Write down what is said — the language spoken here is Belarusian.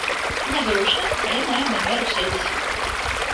Нязручна, але мае намер уседзець.